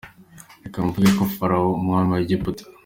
Reka mvuge kuri Farawo umwami wa Egiputa.